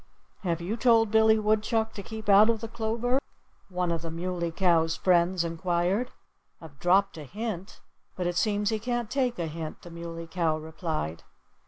"Have you told Billy Woodchuck to keep out of the clover?" one of the Muley Cow's friends inquired. "I've dropped a hint; but it seems he can't take a hint," the Muley Cow replied.